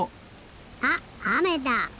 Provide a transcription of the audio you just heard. あっあめだ！